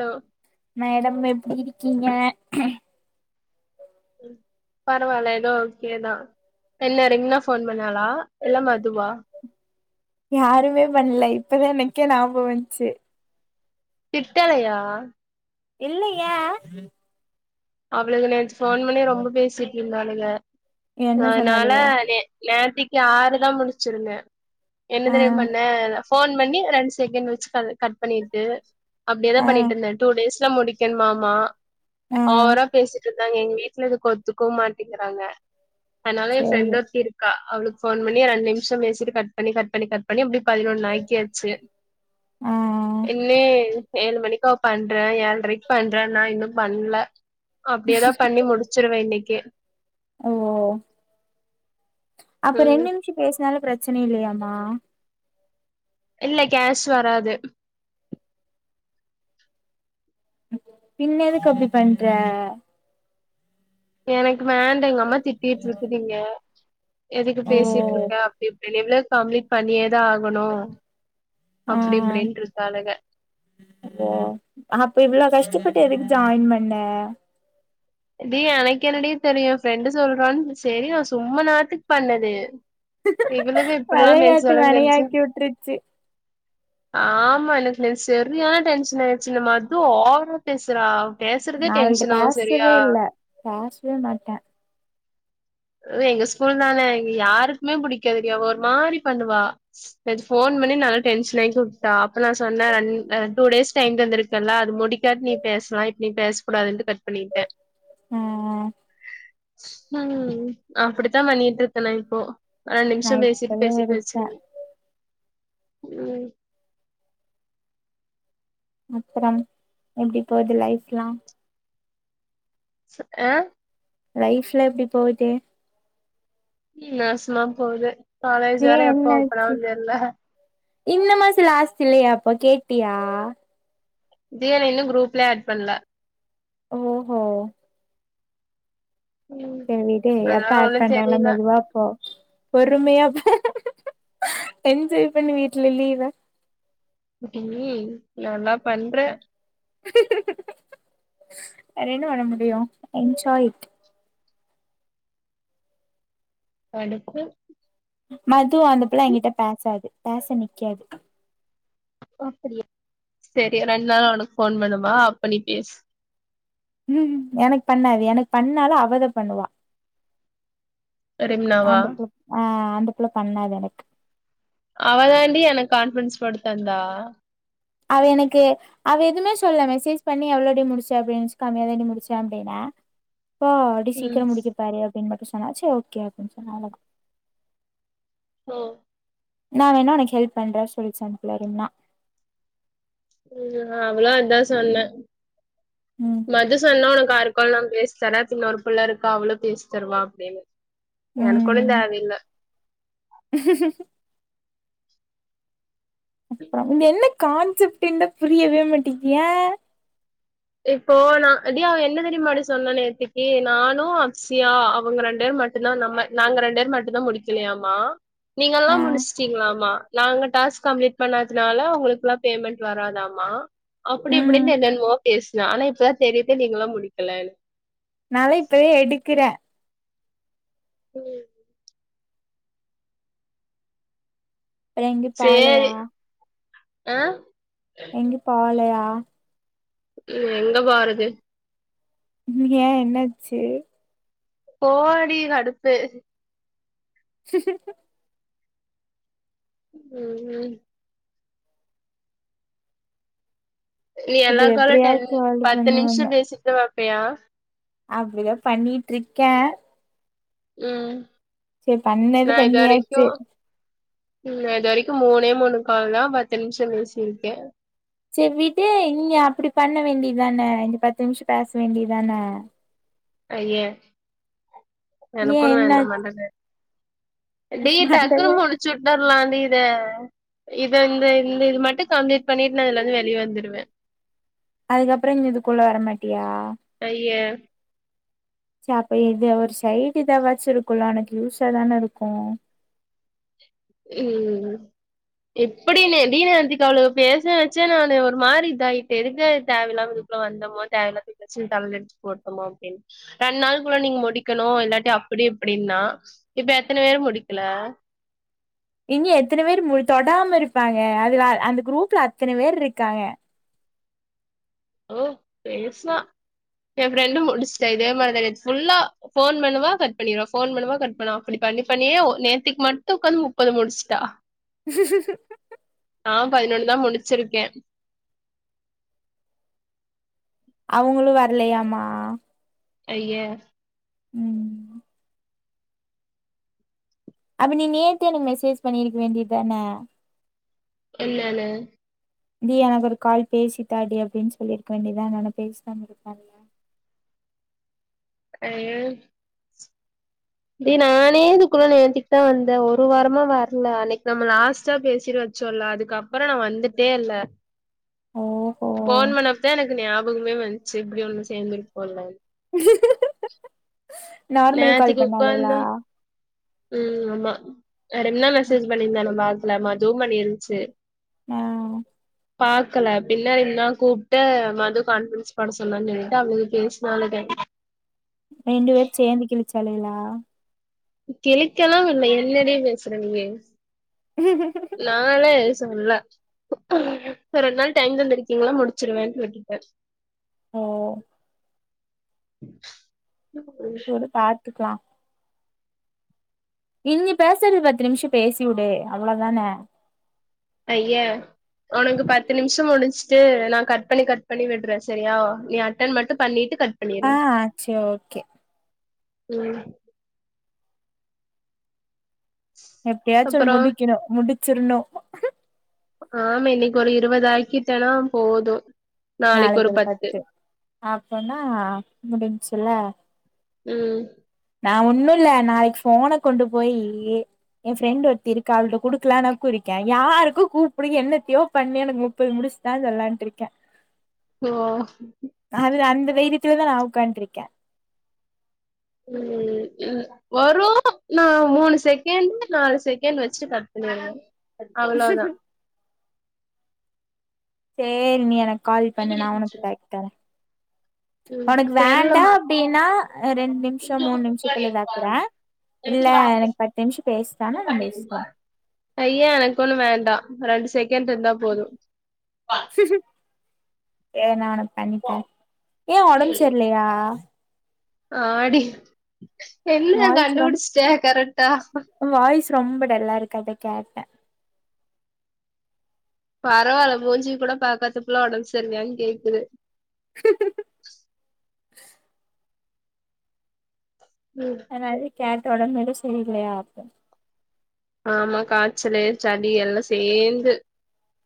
Hello madam எப்டி இருக்கீங்க பரவாயில்ல ஏதோ ஓகேதா என்ன ரிங்கன்னா ஃபோன் பண்ணாளா இல்ல மதுவா யாருமே பண்ல இப்பதா எனக்கே ஞாபகோ வந்ச்சு திட்டலையா இல்ல ய அவளுகே நேத்து ஃபோன் பண்ணி ரொம்ப பேசிட் இன்னாளுக என்ன அதனால சொன்னாளுக நே நேத் விக்கி ஆருதா முடிச்சிருங்க என்ன ஆ தெரிமா பண்ணே ஃபோன் பண்ணி ரெண்டு செகண்ட் வெச்சு கால் கட் பண்ணிட்டு அப்டியேதா ஆ பண்ணிட்டு இருந்தே டூடேஸ் முடிக்கன் மாமமா ஆ ஓவரா பேசிட்டு இருந்தாங்க எங்க வீட்ல இதுக்கு ஒத்துக்கவும் மாட்டேங்கிறாங்க அதனாலா என் பிரண்டு சேரி ஒருத்தி இருக்கா அவளுக்கு ஃபோன் பண்ணி ரண்டுமிஷம் பேசிட்டு கட் பண்ணி கட் பண்ணி கட் பண்ணி அப்டி பதினொன்னாக்கியாச்சு ஆ [unintelligible] ஏழு மணிக்க அவ பண்றேன் ஏழரைக்கு பண்றேன் நான் இன்னும் பண்ல அப்டியேதா பண்ணி முடிச்சிருவே இன்னைக் ஓகே ஓ அப்ப ம் ரெண்டு நிம்ஷ பேசுனாலு பிரச் ரச்சன இல்லையாமா இல்ல கேஷ் வராது பின்ன எதுக்கு அப்டி பண்ற எனக்கு வேண்டா எனக் திட்டிட்டு இருக்குதுங்க எதுக்கு ஓ பேசிட்ருக்க அப்டி இப்டின் எவ்ளோ கம்ப்ளீட் பண்ணியே தா ஆகணு ஆ அப்டி இப்டின்ருக்காளுக டு எதுக்கு ஜாயின் பண்ண அடி எனக்கு என்னடி தெரியு ஃப்ரெண்டு சொல்றான்னு செரி நா சும்மா நேரத்துக் பண்ணது இவளுக இப்பிட்லா வெளையாட்டு பேசுவாளுகன்னு தெரிஞ்சா வெனையாக்கி விட்ருச்சு ஆமா எனக்கு இன்னைக்கு செரியான டென்ஷன் ஆய்ருச்சு இந்த மது ஓவரா பேசுறா பேசுறதே நா அவள்ட்ட டென்ஷன் ஆவு செரியா பேசவே இல்ல பேசவே மாட்டே எங்க ஸ்கூல் நாலே யாருக்குமே பிடிக்காதுரி அவ ஒரு மாரி பண்ணுவா போன் பண்ணி நல்லா டென்ஷன் ஆக்கி உட்டா அப்ப நா சொன்னே அன் டூ டேஸ் டைம் தந்துருக்கெல அது முடிக்காட் நீ பேஸ்லா இப்ப நீ பேச கூடாதுன்டு கட் பண்ணிட்டே உம் உம் உம் அப்டித்தா பண்ணிட்ருக்க நா இப்பொ நால் நா நிம்ஷொ பேசிட்டு இப்பவே பேசிட்டு இருக்கே வச்சிருங் உம் அப்றம் எப்டி போகுது லைஃப்ல்லா ஆஹ் லைஃப்ல எப்டி போகுது ம் நாசமா போகுது காலேஜ் ஏ வேற எப்ப ஓபன் என்னாச்சு ஆகுன் தெர்ல இந்த மாசொ லாஸ்ட் இல்லையா அப்பொ ‌கேட்டியா தியா ‌இன்னு குரூப்ல ஆட் பண்ல ஓஹோ ம் செரிடே அதனால எப்ப ஏட் ஒன்னு பண்றாங்கலா தெரில மெதுவாப்போ பொறும்மையாப் என்ஜாய் பண்ணு வீட்ல லீவ்வ குட்டி நீ நல்லா பண்ற வேற என்ன பண்ண முடியும் எஞ்ஜாய்ட் அடுத்து மத் தூ அந்தப்புள்ள எங்கிட்ட பேசாது பேச நிக்காது அப்படியா செரி ரெண் நாள் உனக் போன் பண்ணுமா அப்ப நி பேசு ஹூ எனக் பண்ணாது எனக் பண்ணாலும் அவத பண்ணுவா ரெம்னாவா அந்தப் பு ஹா அந்தப் புள பண்ணாத் எனக் அவதாண்டி எனக் கான்ப்ரன்ஸ் போட்டுத்தந்தா அவ எனக்கு அவ எதுமே சொல்ல மெசேஜ் பண்ணி எவ்ளோடி முடிச்ச அப்படின்னுச் காமி அதுர முடிச்சே அப்டீன்னா பா அடி ம் சீக்கிரம் முடிக்க பாரு ன்மட்டு சொன்னா ச்சே ஓகே அப்டீன்சொன்ன அவலதா ஒ நா வேன்ணா உனக் ஹெல்ப் பண்ற சொல்ச் அந்த புள்ள ரிம்னா ம் அவ்ளோ அத்தா சொன்ன ம் மது சொன்னா உனக்காரு கொள்ளம் பேச் தர்ரே பின்னொரு பிள்ள ருக்கா அவ்ளு பேச் தருவா அப்படின்னு ம் எனக்கொன்னுந்தேவயில்ல அப்றொம் [unintelligible] என்னைக் கான்செப்ட்டென்ன புரியவே மாட்டிக்யே இப்போ நா டியா அவ என்ன தெரியுமாடி சொன்ன நேத்திக்கி நானு அப்சியா அவ்ங்க ரெண்டேர் மட்டுந்தா நம்ம நாங்க ரெண்டேர் மட்டுந்தா முடிக்கலயாமா நீங்கல்லா ஆ முடிச்ட்டீங்ளாமா நாங்க டாஸ்க் கம்ப்ளீட் பண்ணத்னால அவ்ங்களுக்குலாம் பேமெண்ட் வராதாமா அப்படி ம் இப்டின்னு என்னென்மோ பேஸ்னா இப்தான் தெரிய்து நீங்களாம் முடிக்கலெனு நால்லெ இப்பவே எடுக்கிறே ம் ப்பலா எங்யு பாளயா சேரி ஆ எங்யு போவ்லயா ஆ எங்க போருது ஏ என்னாச்சி போடி கடுப்பு [inaudible] ம் ம் நீ இப்ப எல்லா காலு டென் எப்டியாச்சு சால்வ் பத்து பண்ணுவாங்க நிம்ஷ பேசிப்பல இப்பயா அப்டிதா பண்ணிட்டு இருக்கேன் ம் சரி பண்ணது நா இது பண்ணியாச்சு வரைக்கு ம் நா இது வரைக்கு மூணே மூணு கால் தா பத்து நிமிஷம் பேசியிருக்கே சேரி விடு நீங்க அப்டி பண்ண வேண்டியதானே இங்க பத்து நிமிஷம் பேச வேண்டியதுதானே ஐயே ஏ எனக்கு ஒன்னு வேண்ட என்னாச்சு மண்ட காய்து டி டக்குனு பண்றது முடிச்சு விட்ட நா வந்து இத இத இந்த இந்த இது மட்டும் கம்ப்ளீட் பண்ணிட்டு நா இதுல இருந்து வெளியே வந்துடுவே அதுக்கப்புறோ இங்க இதுக்குள்ள வரமாட்டியா ஐய அப்ப இது ஒரு சைடு இத வச்சுருக்குல உனக்கு யூசா தான இருக்கு ம் எப்டினு டி நேத்துக்கு அவளுக்கு பேச வச்ச நானு ஒரு மாரி இதாயிட்டே எதுக்கு தேவல்லாம இதுக்குள்ள வந்தோமோ தேவல்ல தச்சு தல அடிச்சு போட்டமோ அப்டின்னு ரெண்டு நாளுக்குள்ள நீங்க முடிக்கணு இல்லாட்டி அப்டி இப்டினுன்னா இப்ப எத்தன பேரு முடிக்கல இங்க எத்தன பேர் மு தொடாம இருப்பாங்க அதுல அந்த குரூப்ல அத்தன பேர் இருக்காங்க ஓ பேசுவா எ ஃப்ரெண்டும் முடிச்சுட்டா இதே மாரி தா நேத்து ஃபுல்லா போன் பண்ணுவா கட் பண்ணிருவா போன் பண்ணுவா கட் பண்ணுவ அப்டி பண்ணி பண்ணியே நேத்துக்கு மட்டும் உட்காந்து முப்பது முடிச்சுட்டா அ பதினொன்னுதா முடிச் வச்சிருக்கே அவங்களு வரலையாமா ஐய ம் அப்ப நீ நேத்தே எனக்கு மெசேஜ் பண்ணிருக்க வேண்டியது தான என்னனு டி எனக்கு ஒரு கால் பேசி தாடி அப்டின்னு சொல்லியிருக்க வேண்டியதான நா பேசி தந்துருப்பால்ல ஐய டி நானே இதுக்குள்ள நேத்திக்குதா வந்தே ஒரு வாரமா வரல அன்னைக்கு நம்ம லாஸ்ட்டா பேசிட்டு வச்சோல அதுக்கப்புற நா வந்துட்டே இல்ல ஓஹோ போன் பண்ண தா எனக்கு ஞாபகமே வந்துச்சு இப்டி ஒண்ணு சேந்துருக்கோம்லனு நார்மல் கால் நேத்திக்கு உக்காந்த பண்ணாளுகளா ம் ஆமா வேற என்ன மெசேஜ் பண்ணிருந்த நம்ம ஆள் லாம ஜூம் பண்ணி இருந்ச்சு அ பாக்கல பின்ன நின்னா கூப்ட்டு மது கான்பிரன்ஸ் போட சொலான்னு சொல்லிட்டு அவளுக்கு பேசினாலுக ரெண்டு பேர் சேந்து கிழி சாளுகலா கிளிக்கல்லா இல்ல என்னடி பேசுற நீயி நான்லா சொல்ல ரெண்டு நாள் டைம் தந்திருக்கீங்களா முடிச்சிருவேன்னு விட்டுட்டே ஓ விடு பாத்துக்லா இங்ங பேஸ்றது பத்து நிம்ஷோ பேசி விடே அவ்ளோதான ஐய்ய ஒனக்கு பத்து நிம்ஷோ முடுச்ட்டு நா கட் பண்ணி கட் பண்ணி விட்றே செரியா நீ அட்டன் மட்டூ பண்ணிட்டு கட் பண்ணிரு ஆ செரி ஒகே ம் எப்டியாச்சு அப்புறோ முடிக்ணூ முடி சிருணோ ஆம இன்னைகு ஒரு இருவதாகிடனா போதூ நாளைகொரு பத்து அப்பனா முடுஞ்ச் இல்ல ம் நா ஒன்னூ இல்ல நாளைக் ஃபோன கொண்டு போயி ஏ ஃப்ரெண்ட் ஒருத்தி இருகா அவள்ட குடுக்லானா குடுக்கே யாருகூ கூப்டு என்னத்யோ பண்ணு எனக்கு முப்பது முடுஸ்டா சொல்லான்ட்டு இருக்கே ஓஓ இதுதா நா உட்காண்ருகே ம் ம் வரூ நா மூணு செகேண்ட் நாலு செகேண்ட் வச்சுட் கட் பண்ணிடுவ அவ்ளோ தா சேரி நீ எனக் கால் பண்ணு நா கணக்ட் தரே ம் உனக்கு வேண்டா தெர்லமா அப்டினா ரெண்டு நிம்ஷோ மூண் நிம்ஷதுல வக்றே இல்ல எனக்கு பத்து நிம்ஷோ பேஸ்றானா நம்பேஸ்ரே ஐயே எனக்கு ஒண்ணு வேண்டா ரெண்டு செக் செகன்ட் இருந்தா போதும் ஏன்ன அனுப் கண்ணிப்பே ஏன் ஒடம் செர்லயா ஆ அடி என்னா வாய்ஸ் ரொம் கண்டுடுச்ட்டே கரெட்டா வாய்ஸ் ரொம்ப டல்லா இருக்க அத கேட்டெ பரவால்ல மூஞ்சி கூட பாக்காதகுள்ள ஒடம் செர்லயானு கேக்குது [inaudible] ம் என்னது கேட்ட உடு மேலு சொல்றயா ஆமா காச்சலு சளி எல்லா சேந்து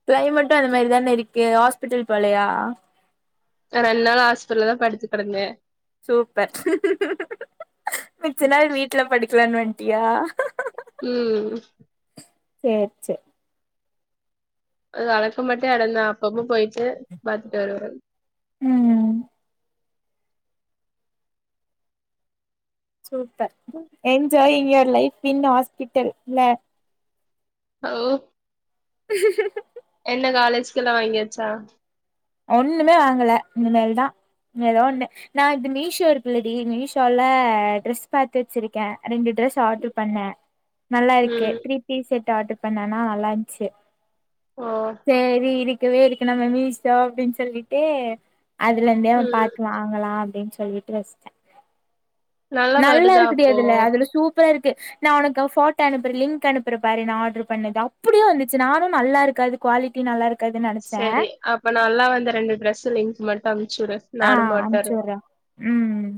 க்ளைமெட்டு அந்த மாரி தானே இருக்கு ஹாஸ்பிட்டல் போலயா நா ரெண்டு நாளா ஹாஸ்பிட்டல்ல தா படுத்து கெடந்தே சூப்பர் மிச்ச நாள் வீட்ல படுக்லானு வந் அப்டியா ம் சேர் செர் அது அளக்க மட்டே அடந்தா அப்ப அப்ப போய்டு பாத்துட்டு வருவ. ம்ம் சூப்பர் என்ஜாயிங்க. லைப் பின் ஆஸ்பிட்டல் இல்ல ஓ என்ன காலேஜ்கெல்லா வாங்கியாச்சா ஒண்ணுமே வாங்கல இனிமேல்தா ஏதோ ஒண்ணு நா இது மீஷோ இருக்குல்லடி மீஷோல்ல ட்ரெஸ் பாத்து வச்சிருக்கெ ரெண்டு ட்ரெஸ் ஆர்டர் பண்ண நல்லா இருக்கு ம் த்ரீ பீஸ் செட் ட் ஆர்டர் பண்ணனா நல்லா இஞ்ச்சு. ஓ சேரிடீ க்கவே இருக்கு நம்ம மீஸ் ஷோ அப்டின்னு சொல்லிட்டு அதுல இந்தே ம் நம்பாத்து வாங்கலா அப்டின் சொல் சொல்லீட்டு வஸ்ட. நல்லா வருதா இருக்குடீ அப்போ அதுல அதுல சூப் ப்பரா இருக்கு. நா உனக்கு ஃபோட்டோ அனுப்பர லிங்க் அனுப்பர பாரு. நா ஆட்ர் பண்ணத. அப்டியே வந்துச்சு நானு நல்லா இருக்காது குவாலிட்டி நல்லா இருக் செரி அப்ப நல்லா வ த ரெண்டு டிரெஸ்ஸு லிங்க் மட் அனுப் ஆஹ் அம்சூற உம்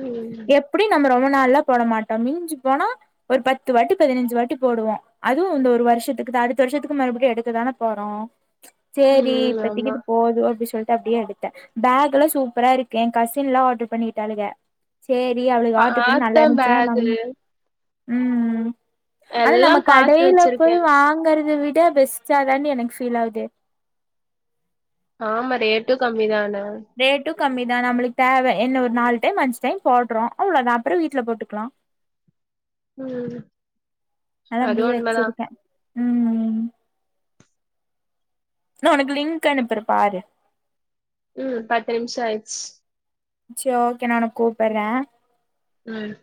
ம் எப்டி நம்ம ரொம நாள்ல்லா போட மாட்டோ. மிஞ்சி போனா ஒரு பத்து வாட்டி பதினஞ்சு வாட்டி போடுவோ. அதுவு இந்த ஒரு வர்ஷத்துக்குதா அடுத்த வர்ஷத்துக்கு மறுபிடியு எடுக்கதான போறோ. சேரி ம் இப்பத்திக்கு ஆமா இது போது அப்டி சொல் டு அப்டியே எடுத்த பேகெல்லா சூப்பரா இருக்கு என் கசின்ல்லா ஆட்ர் பண்ணிட்டாளுக. சேரி அவளுக்கு ஆட்ரு பண்ணி பாத்த நல்லா இருந்ச்சுன்னா நம் பேகு உம் அனா எல்லா நம்ம பாத்து கடைல போய் வச்சிருக்கே வாங்கறது விட் ட பெஸ்டா தான்டி எனக்கு ஃபீல் ஆவுது ஆமா ரேட்டு கம்மி தான ரேட்டுக் கம்மிதா நம்ளுக்கு தேவ என்ன ஒரு நாலு டைம் அஞ்சு டைம் போட்றோ அவ்ளோ தா அப்றொ வீட்ல போட்டுக்லா உம் அது உண்மதா உம் நா உனக்கு லிங்க் அனுப்ற பாரு உம் பத்து நிம்ஷொ ஆயிர்ச் சே ஓகே நா ஒனக் கூப்புர்ர உம்